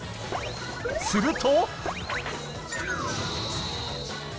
すると。